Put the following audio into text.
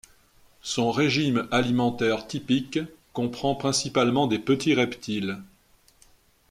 Son régime alimentaire typique comprend principalement des petits reptiles.